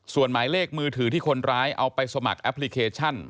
ส่วนหมายเลขมือถือที่คนร้ายเอาไปสมัครแอปพลิเคชัน